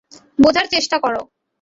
বোঝার চেষ্টা করো।